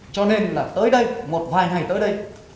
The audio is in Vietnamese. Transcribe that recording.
cho nên là tới đây một vài ngày tới đây